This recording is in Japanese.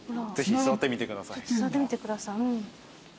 ぜひ座ってみてください。